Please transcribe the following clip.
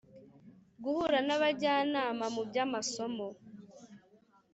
Guhura n abajyanama mu by amasomo